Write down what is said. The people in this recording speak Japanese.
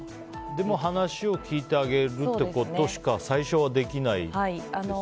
でも話を聞いてあげることしか最初はできないですよね。